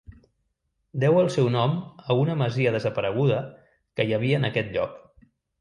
Deu el seu nom a una masia desapareguda que hi havia en aquest lloc.